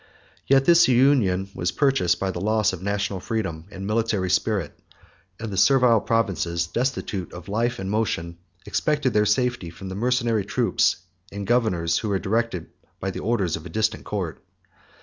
7000 But this union was purchased by the loss of national freedom and military spirit; and the servile provinces, destitute of life and motion, expected their safety from the mercenary troops and governors, who were directed by the orders of a distant court.